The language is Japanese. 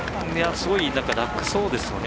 すごい、楽そうですね。